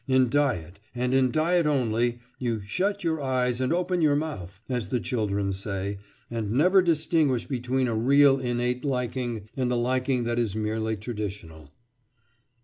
In diet, and in diet only, you "shut your eyes and open your mouth," as the children say, and never distinguish between a real innate liking and the liking that is merely traditional.